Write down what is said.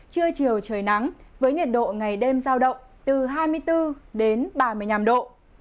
trưa chiều trời nắng với nhiệt độ ngày đêm giao động từ hai mươi bốn đến ba mươi năm độ